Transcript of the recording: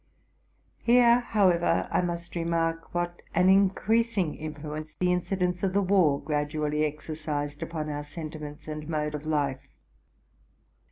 Here, how ever, I must remark what an increasing influence the inci dents of the war gradually exercised upon our sentiments and mode of life.